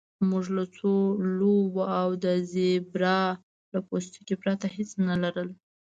موږ له څو لوبو او د زیبرا له پوستکي پرته هیڅ نه لرل